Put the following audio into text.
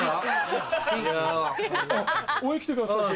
応援来てください。